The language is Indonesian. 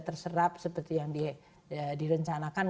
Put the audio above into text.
terserap seperti yang di rencanakan